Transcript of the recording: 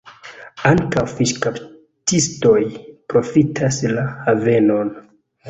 Ankaŭ fiŝkaptistoj profitas la havenon.